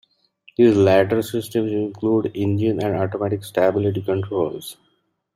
These later systems include engine and automatic stability controls.